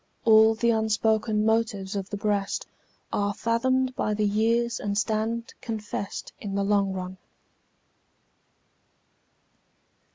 All the unspoken motives of the breast Are fathomed by the years and stand confess'd In the long run.